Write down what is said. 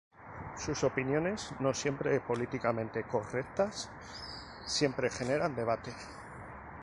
Sus opiniones, no siempre políticamente correctas, siempre generan debate.